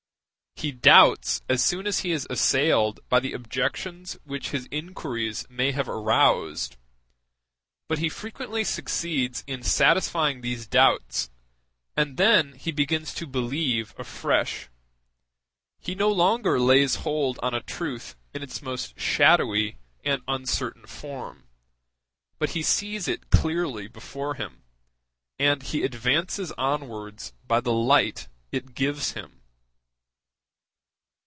He doubts as soon as he is assailed by the objections which his inquiries may have aroused. But he frequently succeeds in satisfying these doubts, and then he begins to believe afresh: he no longer lays hold on a truth in its most shadowy and uncertain form, but he sees it clearly before him, and he advances onwards by the light it gives him.